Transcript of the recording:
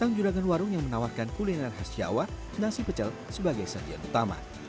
dalam juragan warung yang menawarkan kuliner khas jawa nasi pecel sebagai sedian utama